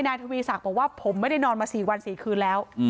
นายทวีสรรคบอกว่าผมไม่ได้นอนมาสี่วันสี่คืนแล้ว